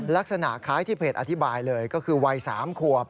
ลักษณะคล้ายที่เพจอธิบายเลยก็คือวัย๓ขวบ